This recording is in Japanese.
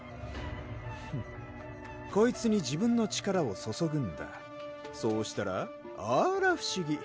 こいつに自分の力を注ぐんだそうしたらあら不思議